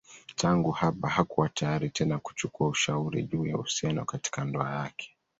Tangu hapa hakuwa tayari tena kuchukua ushauri juu ya uhusiano katika ndoa yake.